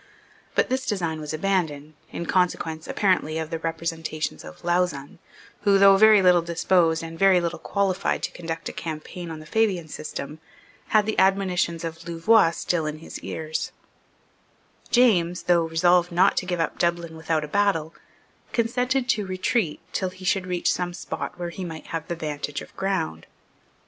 But this design was abandoned, in consequence, apparently, of the representations of Lauzun, who, though very little disposed and very little qualified to conduct a campaign on the Fabian system, had the admonitions of Louvois still in his ears, James, though resolved not to give up Dublin without a battle, consented to retreat till he should reach some spot where he might have the vantage of ground.